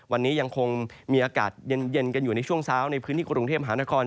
วันนี้ยังคงมีอากาศเย็นกันอยู่ในช่วงเช้าในพื้นที่กรุงเทพมหานคร